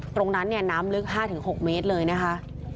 ตรงนั้นเนี่ยน้ำลึก๕๖เมตรเลยนะคะ